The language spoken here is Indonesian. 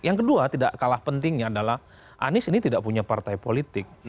yang kedua tidak kalah pentingnya adalah anies ini tidak punya partai politik